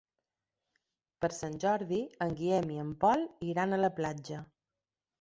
Per Sant Jordi en Guillem i en Pol iran a la platja.